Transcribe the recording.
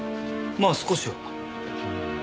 まあ少しは。